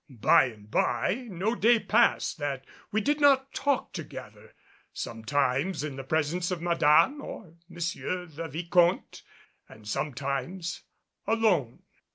By and bye, no day passed that we did not talk together; sometimes in presence of Madame or Monsieur the Vicomte, and sometimes alone.